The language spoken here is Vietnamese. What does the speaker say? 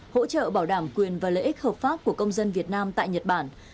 hỗ trợ bảo đảm quyền và lợi ích hợp pháp của công dân việt nam tại nhật bản